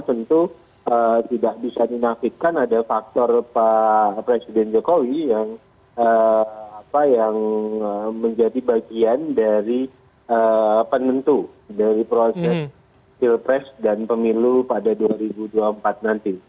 tentu tidak bisa dinafikan ada faktor pak presiden jokowi yang menjadi bagian dari penentu dari proses pilpres dan pemilu pada dua ribu dua puluh empat nanti